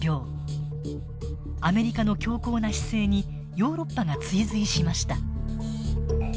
アメリカの強硬な姿勢にヨーロッパが追随しました。